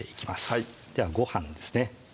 はいではご飯ですね